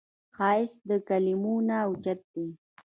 ښایست له کلمو نه اوچت دی